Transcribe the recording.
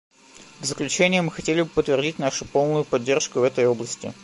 В заключение мы хотели бы подтвердить нашу полную поддержку в этой области.